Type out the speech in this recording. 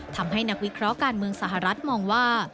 นักวิเคราะห์การเมืองสหรัฐมองว่า